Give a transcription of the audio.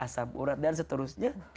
asam urat dan seterusnya